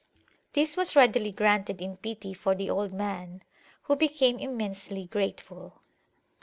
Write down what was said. This was readily granted in pity for the old man, who became immensely grateful.